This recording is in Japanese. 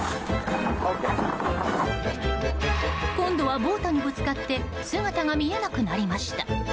今度はボートにぶつかって姿が見えなくなりました。